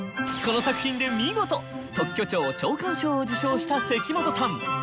この作品で見事特許庁長官賞を受賞した關本さん。